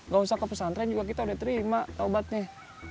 gak usah ke pesantren juga kita udah terima taubatnya